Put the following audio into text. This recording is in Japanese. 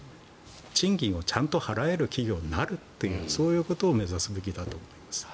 賃金をちゃんと払える企業になるというそういうことを目指すべきだと思います。